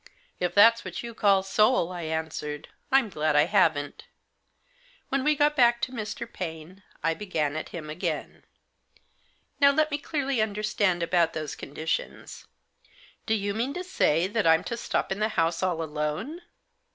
"If that's what you call soul," I answered, "I'm glad I haven't." When we got back to Mr. Paine, I began at him again. " Now let me clearly understand about those con ditions. Do you mean to say that I'm to stop in the house all alone